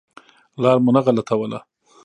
لار مو نه غلطوله.